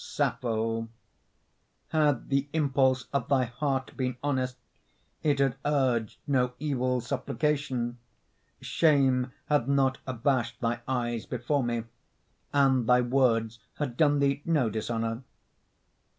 SAPPHO Had the impulse of thy heart been honest, It had urged no evil supplication; Shame had not abashed thy eyes before me, And thy words had done thee no dishonor.